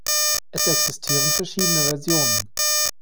Es existieren verschiedene Versionen.